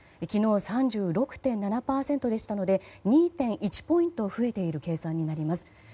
昨日３６．７％でしたので２．１ポイント増えている計算になります。